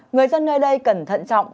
người dân nơi đây cẩn thận trọng